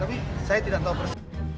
tapi saya tidak tahu persis